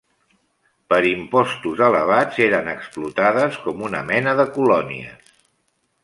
Per impostos elevats eren explotades com una mena de colònies.